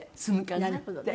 なるほどね。